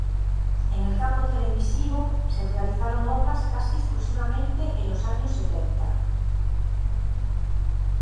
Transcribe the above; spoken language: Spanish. En el campo televisivo, se realizaron obras casi exclusivamente en los años setenta.